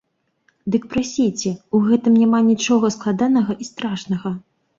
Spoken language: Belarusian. Дык прасіце, у гэтым няма нічога складанага і страшнага.